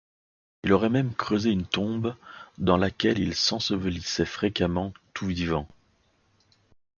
Il aurait même creusé une tombe dans laquelle il s'ensevelissait fréquemment tout vivant.